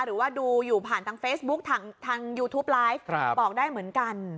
หรือว่าดูอยู่ผ่านทางเฟซบุ๊คทางยูทูปไลฟ์บอกได้เหมือนกัน